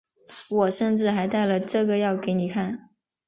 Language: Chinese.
我甚至还带了这个要给你看